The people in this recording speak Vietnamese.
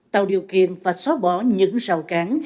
tạo điều kiện và xóa bỏ những rào cản